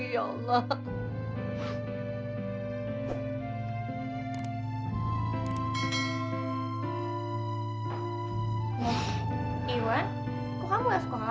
iwan kenapa kamu tidak sekolah